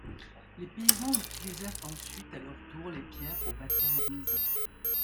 Les paysans utilisèrent ensuite à leur tour les pierres pour bâtir leurs maisons.